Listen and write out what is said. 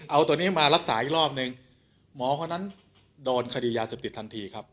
เอาตัวนี้มารักษาอีกรอบนึงหมอคนนั้นโดนคดียาเสพติดทันทีครับ